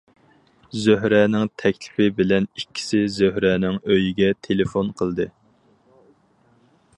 زۆھرەنىڭ تەكلىپى بىلەن ئىككىسى زۆھرەنىڭ ئۆيىگە تېلېفون قىلدى.